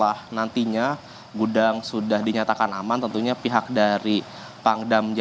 aumentas musim tamu kemdjelena hai untuk islamis skirts petj beep